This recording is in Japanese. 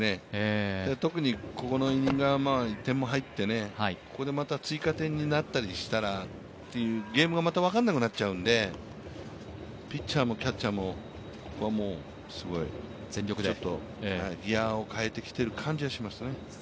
特にここのイニングは１点入ってここで追加点になったりしたらという、ゲームがまた分からなくなっちゃうんで、ピッチャーもキャッチャーもちょっとギヤを変えてきている感じはしますね。